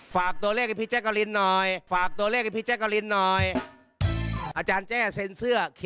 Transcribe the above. ฝากตัวเลขวีพีแจกก